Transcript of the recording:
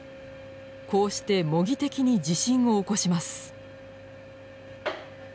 こうして模擬的に地震を起こします。